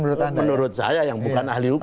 menurut anda ya menurut saya yang bukan ahli hukum